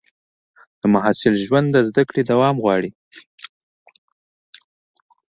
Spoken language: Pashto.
د محصل ژوند د زده کړې دوام غواړي.